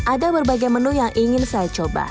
ada berbagai menu yang ingin saya coba